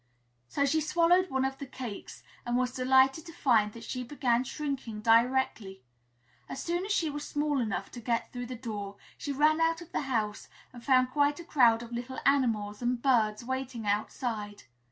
So she swallowed one of the cakes and was delighted to find that she began shrinking directly. As soon as she was small enough to get through the door, she ran out of the house and found quite a crowd of little animals and birds waiting outside.